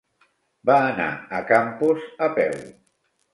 Va anar a Campos a peu.